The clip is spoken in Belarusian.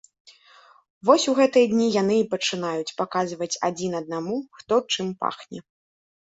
Вось у гэтыя дні яны і пачынаюць паказваць адзін аднаму, хто чым пахне.